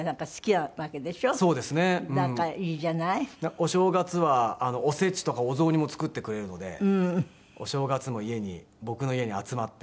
お正月はお節とかお雑煮も作ってくれるのでお正月も家に僕の家に集まって。